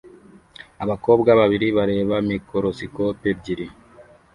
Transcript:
Abakobwa babiri bareba mikorosikopi ebyiri